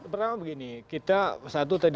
pertama begini kita satu tadi